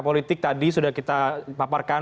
politik tadi sudah kita paparkan